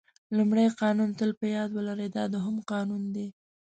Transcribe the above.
لومړی قانون تل په یاد ولرئ دا دوهم قانون دی.